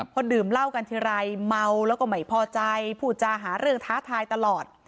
พอดื่มเหล้ากันทีไรเมาแล้วก็ไม่พอใจพูดจาหาเรื่องท้าทายตลอด